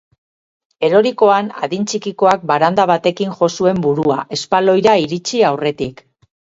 Erorikoan, adin txikikoak baranda batekin jo zuen burua, espaloira iritsi aurretik.